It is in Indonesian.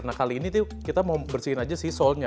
nah kali ini tuh kita mau bersihin aja si soldnya